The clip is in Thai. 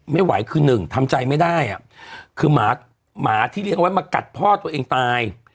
ไม่ไหวคือหนึ่งทำใจไม่ได้อ่ะคือหมาหมาที่เลี้ยงไว้มากัดพ่อตัวเองตาย